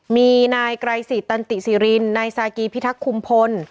มีนายไกรศิษฐตันติสิรินนายซากีพิทักษ์คุมพล